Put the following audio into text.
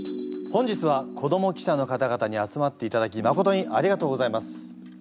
本日は子ども記者の方々に集まっていただきまことにありがとうございます。